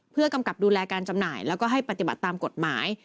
เพื่อกำกับดูแลการจำหน่ายแล้วก็ให้ปฏิบัติตามกฎหมาย